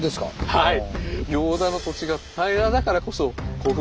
はい。